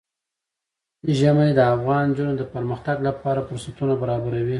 ژمی د افغان نجونو د پرمختګ لپاره فرصتونه برابروي.